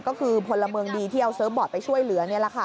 ก็คือพลเมืองดีที่เอาเซิร์ฟบอร์ดไปช่วยเหลือ